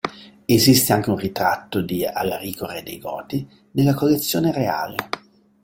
Esiste anche un ritratto di "Alarico re dei Goti" nella collezione reale.